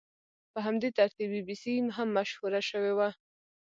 په همدې ترتیب بي بي سي هم مشهوره شوې وه.